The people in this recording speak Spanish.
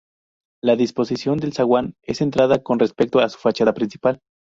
La disposición del zaguán es centrada con respecto a su fachada principal.